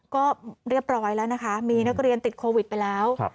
ก็เรียบร้อยแล้วนะคะมีนักเรียนติดโควิดไปแล้ว